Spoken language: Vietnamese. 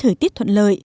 thời tiết thuận lợi